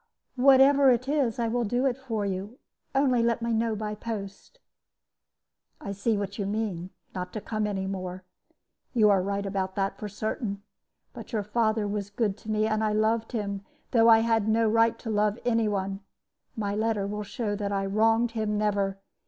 "Whatever it is, I will do it for you; only let me know by post." "I see what you mean not to come any more. You are right about that, for certain. But your father was good to me, and I loved him, though I had no right to love any one. My letter will show that I wronged him never.